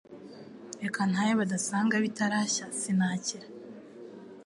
Reka ntahe badasanga bitarashya sinakira